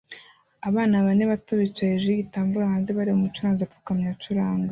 Abana bane bato bicaye hejuru yigitambaro hanze bareba umucuranzi apfukamye acuranga